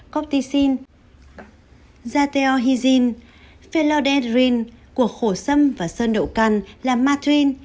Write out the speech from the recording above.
copticin zateohizine felodendrin của khổ sâm và sơn đậu căn là matrin